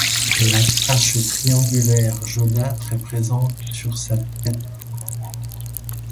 Une tache triangulaire jaunâtre est présente sur sa tête.